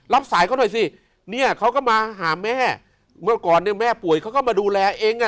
รับสายเขาหน่อยสิเนี่ยเขาก็มาหาแม่เมื่อก่อนเนี่ยแม่ป่วยเขาก็มาดูแลเองอ่ะ